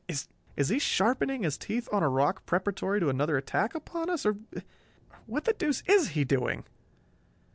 "Is he sharpening his teeth on a rock preparatory to another attack upon us? Or What the deuce is he doing?"